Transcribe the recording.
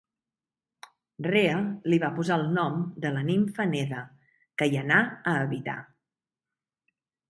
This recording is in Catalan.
Rea li va posar el nom de la nimfa Neda, que hi anà a habitar.